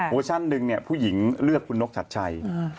เวอร์ชันหนึ่งผู้หญิงเลือกคุณนกชัดชัย